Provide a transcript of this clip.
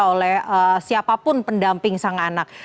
oleh siapapun pendamping sang anak